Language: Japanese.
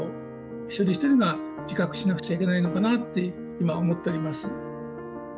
一人一人が自覚しなくちゃいけないのかなって今、思っております。